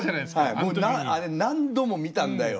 もうあれ何度も見たんだよ。